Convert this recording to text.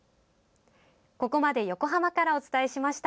ここまで横浜からお伝えしました。